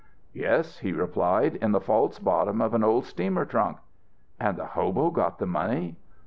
"Yes," he replied, "in the false bottom of an old steamer trunk." "And the hobo got the money?"